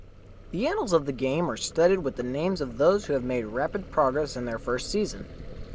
The annals of the game are studded with the names of those who have made rapid progress in their first season.